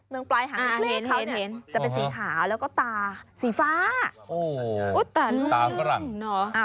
ตรงปลายหางเลขเขาเนี่ยจะเป็นสีขาวแล้วก็ตาสีฟ้า